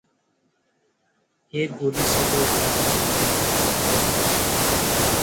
दिल्ली: एक गोली से दो अपराधियों की मौत